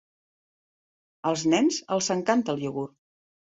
Als nens els encanta el iogurt.